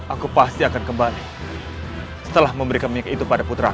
aku pasti akan kembali setelah memberikan minyak itu pada putra